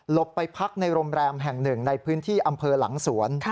ไปพักในโรงแรมแห่งหนึ่งในพื้นที่อำเภอหลังสวน